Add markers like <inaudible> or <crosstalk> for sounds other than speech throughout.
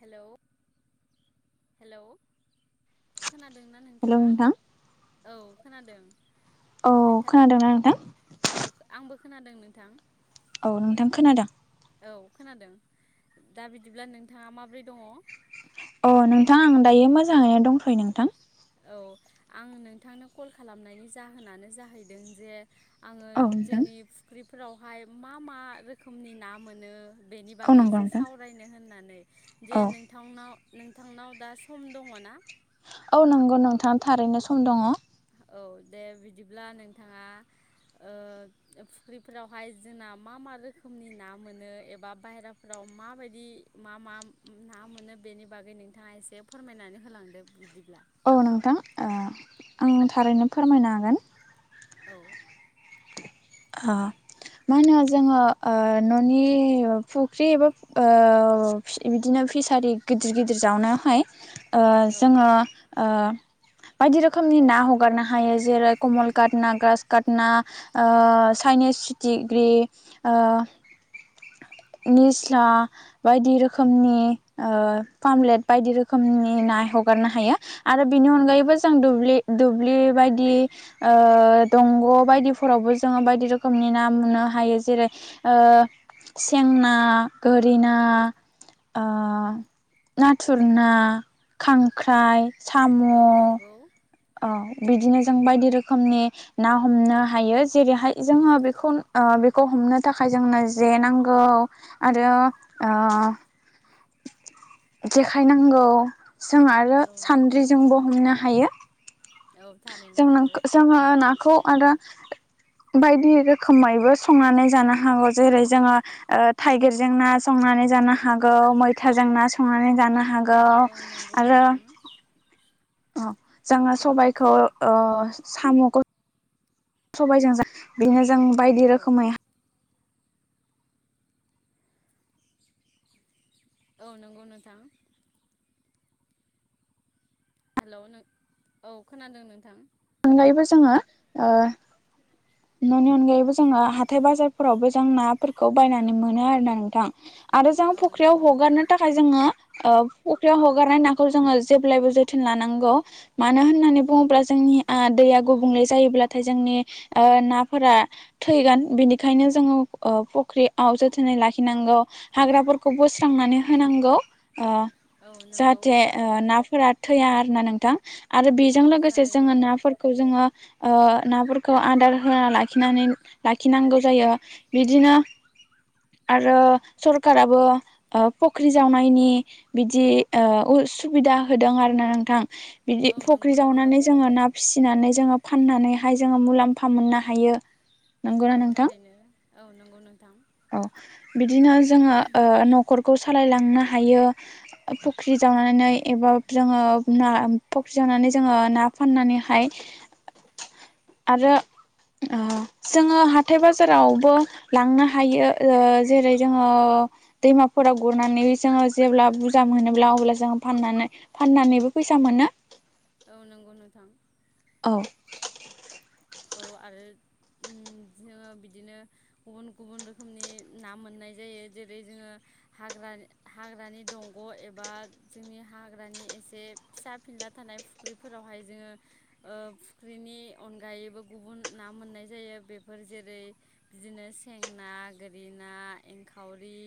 Hello hello. खोनादोंना hello नोंथाङा नोंथां औ खोनादों। औ नोंथां खोनादोंना नोंथां? औ आंबो खोनादों नोंथां। औ नोंथां खोनादों? औ खोनादों दा बिदिब्ला नोंथाङा माब्रै दङ? अ नोंथां आं दायो मोजाङैनो दंथ'यो नोंथां। औ आं नोंथांनो कल खालामनायनि जाहोनानो जाहैदों जे आङो औ नोंथां जोंनि फुख्रिफोरावहाय मा मा रोखोमनि ना मोनो बेनि औ बागै नंगौ एसे नोंथां सावरायनो होननानै औ जे नों नोथांनाव नोंथांनाव दा सम दङ ना औ नंगौ नोंथाङा थारैनो सम दङ औ दे बिदिब्ला नोंथाङा ओ फुख्रिफोरावहाय जोंना मा मा रोखोमनि ना मोनो एबा बायेरा राव माबायदि मा मा ना मोनो बेनि बागै नोंथाङा एसे फोरमायनानै होलांदों बिदिब्ला। औ नोंथां आं थारैनो फोरमायनो हागोन। औ ओ मा होनो जोङो न'नि फुख्रि एबा ओ बिदिनो फिसारि गिदिर गिदिर जावनोहाय औ जोङो ओ बायदि रोखोमनि ना हगारनो हायो जेरै कमल काट ना ग्रास काट ना ओ चाइनिस चिटिग्रि निस्ला बायदि रोखोमनि पामलेट बायदि रोखोमनि ना हगारनो हायो। आरो बिनि औ अनगायैबो जों दुब्लि बायदि ओ दंग' बायदिफोरावबो जोङो बायदि रोखोमनि ना मोननो हायो जेरै ओ सेंना, गोरिना ओ नाथुर ना, खांख्राइ, साम' औ नंगौ औ बिदिनो जों बायदि रोखोमनि ना हमनो हायो जेरैहाय जोङो बेखौ बेखौ हमनो थाखाय जोंनो जे नांगौ। आरो ओ <inaudible> जेखाय नांगौ जों आरो औ सान्द्रिजोंबो हमनो हायो औ थारैनो जों नंगौ जोङो नाखौ आरो <inaudible> बायदि रोखोमैबो संनानै जानो हागौ जेरै जोङो थाइगिरजों ना संनानै जानो हागौ मैथाजों ना संनानै जानो हागौ औ नंगौ आरो नोंथां अ जोडों सबायाइखौ औ साम'खौ सबायजों ज बिदिनो जों बायदि औ रोखोमै औ नंगौ नोंथां हेल' औ खोनादों नोंथां अनगायैबो जोङो न'नि अनगायैबो जोङो हाथाय बाजारफोरावबो जों नाफोरखौ बायनानै मोनो आरोना नोंथां आरो जों औ फख्रियाव नंगौ नोंथां हगारनो थाखाय थाखाय जोङो फुख्रियाव हगारनाय नाखौ जोङो जेब्लायबो जोथोन लानांगौ मानो होननानै बुङोब्ला जोंनि दैया गुबुंले जायोब्लाथाय जोंनि नाफोरा थैगोन बिनिखायनो जोङो फुख्रियाव जोथोनै लाखिनांगौ हाग्राफोरखौ बोस्रांनानै होनांगौ ओ औ नंगौ जाहाथे ओ नाफोरा थैया आरो ना नोंथां आरो बेजों औ लोगोसे थारैनो जोङो नाफोर नाफोरखौ जोडों ओ खौ आदार होना लाखिनानै लाखिनांगौ जायो बिदिनो आरो सरखारराबो फुख्रि जावनायनि बिदि सुबिदा होदों आरो ना नोंथां बिदि औ फख्रि नंगौ नोंथां जावनानै जोङो ना फिसिनानै जोङो फाननानैहाय जोङो मुलाम्फा मोननो हायो। औ नंगौना नोंथां थारैनो औ नंगौ नोंथां औ बिदिनो जोङो न'खरखौ सालायलांनो हायो। फुख्रि जावनानै एबा जोङो ना फुख्रि जावनानै जोङो ना फाननानैहाय <inaudible> आरो जोङो हाथथाय बाजारावबो लांनो हायो जेरै जोङो दैमाफोराव गुरनानै जोङो जेब्ला बुरजा मोनोब्ला अब्ला जोङो फाननानै फाननानैबो फैसा मोनो। औ नंगौ नोंथां। औ औ आरो जोङो बिदिनो गुबुन गुबुन रोखोमनि ना मोननाय जायो जेरै जोङो हाग्रा हाग्रानि दंग' एबा जोंनि हाग्रानि एसे फिसा फिनला थानाय फुख्रिफोरावहाय जोङो ओ फुख्रिनि अनगायैबो गुबुन ना मोननाय जायो बेफोर जेरै बिदिनो सेंनाा गोरि ना एंखावरि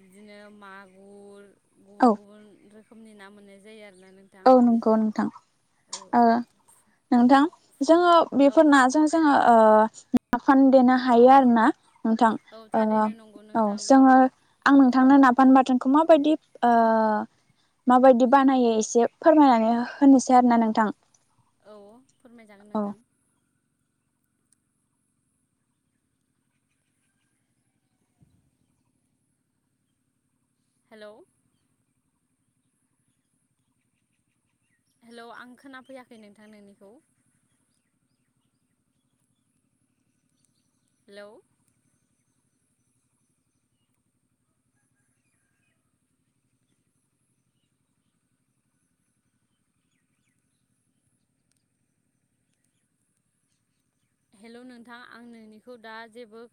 बिदिनो मागुर गुबुन औ गुबुन रोखोमनि ना मोननाय जायो आरोना नों औ नंगौ नोंथां नोंथां जोङो औ बेफोरना जों जोङो नाफाम देनो हायो आरो ना। नोंथां औ थारैनो नंगौ औ नोंथां जोङो आं नोंथांनो नाफान बाथोनखौ ओ माबायदि माबायदि बानायो एसे फोरमायनानै होनोसै आरोना नोंथां। औ फोरमायजागोन औ नोंथां। हेल' हेल' आं खोनाफैयाखै नोंथां नोंनिखौ? हेलौ हेल' नोंथां आं नोंनिखौ दा जेबो